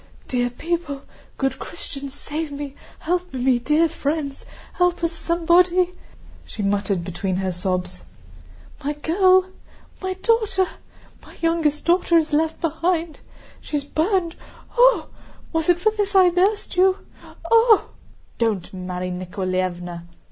"Dear people, good Christians, save me, help me, dear friends... help us, somebody," she muttered between her sobs. "My girl... My daughter! My youngest daughter is left behind. She's burned! Ooh! Was it for this I nursed you.... Ooh!" "Don't, Mary Nikoláevna!"